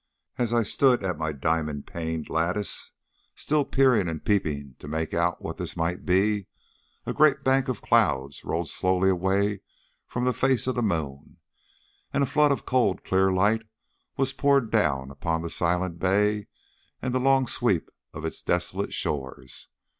As I stood at my diamond paned lattice still peering and peeping to make out what this might be, a great bank of clouds rolled slowly away from the face of the moon, and a flood of cold, clear light was poured down upon the silent bay and the long sweep of its desolate shores.